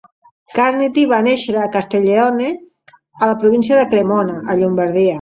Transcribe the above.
Carniti va néixer a Castelleone, a la província de Cremona, a Llombardia.